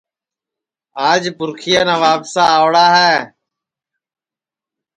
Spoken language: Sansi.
آج پُرکھِیا نوابسا آؤڑا ہے